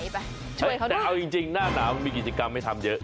ถ่ายไปช่วยเขาด้วยอะไรแต่เอาจริงหน้าสาวมีกิจกรรมให้ทำเยอะ